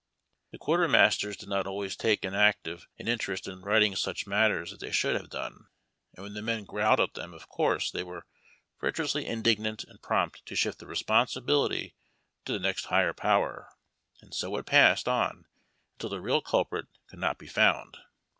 The quartermasters did not alwaj^s take as active an inter est in righting such matters as they should have done ; and when the men growled at them, of course they were virtu ously indignant and prompt to shift the responsibility to the next higher power, and so it passed on until the real culprit could not be found.